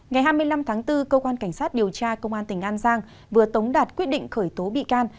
ngày hai mươi năm tháng bốn cơ quan cảnh sát điều tra công an tỉnh an giang vừa tống đạt quyết định khởi tố bị can